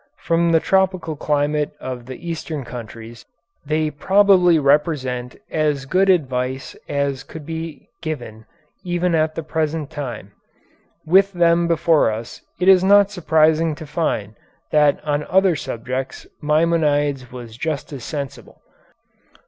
For the tropical climate of the Eastern countries they probably represent as good advice as could be given even at the present time. With them before us it is not surprising to find that on other subjects Maimonides was just as sensible.